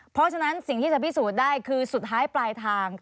เพราะฉะนั้นสิ่งที่จะพิสูจน์ได้คือสุดท้ายปลายทาง